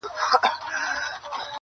o و فقير ته د سپو سلا يوه ده.